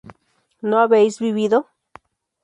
¿no habéis vivido?